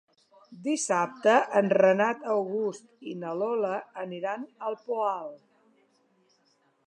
Dissabte en Renat August i na Lola aniran al Poal.